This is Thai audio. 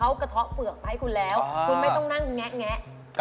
อันที่สามมะเล็ดพักชองอบเหน็มพรึง